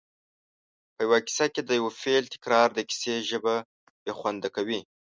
په یوه کیسه کې د یو فعل تکرار د کیسې ژبه بې خونده کوي